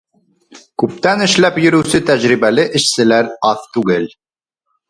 Күптән эшләп йөрөүсе тәжрибәле эшселәр аҙ түгел.